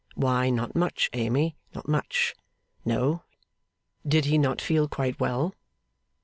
Why, not much, Amy; not much. No! Did he not feel quite well?